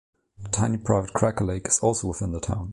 The tiny private Cracker Lake is also within the town.